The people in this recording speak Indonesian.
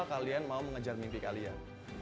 mau tahu apa kalian mau mengejar mimpi kalian